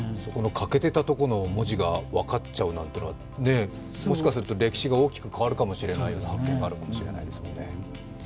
欠けていたところの文字が分かっちゃうなんていうのはもしかすると歴史が大きく変わるような発見があるかもしれないですね。